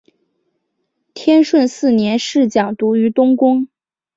天顺四年侍讲读于东宫。